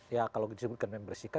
ya kalau disebutkan membersihkan